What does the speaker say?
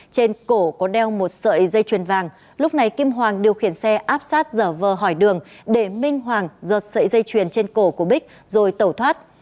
trên cổ có đeo một sợi dây chuyền vàng lúc này kim hoàng điều khiển xe áp sát dở vờ hỏi đường để minh hoàng giật sợi dây chuyền trên cổ của bích rồi tẩu thoát